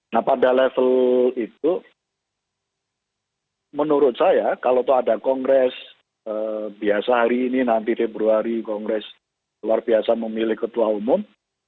nah pada level itu menurut saya kalau ada kongres biasa hari ini nanti februari kongres luar biasa memilih ketua umum